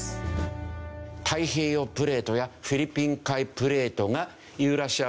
太平洋プレートやフィリピン海プレートがユーラシア